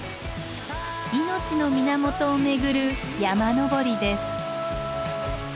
命の源を巡る山登りです。